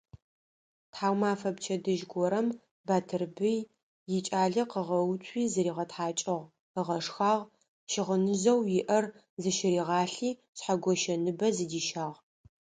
Тхьаумэфэ пчэдыжь горэм Батырбый икӀалэ къыгъэуцуи зыригъэтхьакӀыгъ, ыгъэшхагъ, щыгъыныжъэу иӀэр зыщыригъалъи, Шъхьэгощэ ныбэ зыдищагъ.